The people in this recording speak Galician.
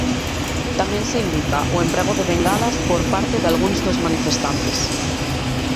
Tamén se indica o emprego de bengalas por parte dalgúns dos manifestantes.